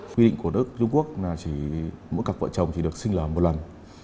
quy định của nước trung quốc là mỗi cặp vợ chồng chỉ được sinh là một lần